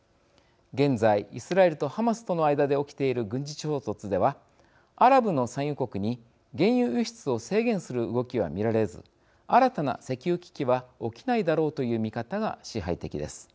現在、イスラエルとハマスとの間で起きている軍事衝突ではアラブの産油国に原油輸出を制限する動きは見られず新たな石油危機は起きないだろうという見方が支配的です。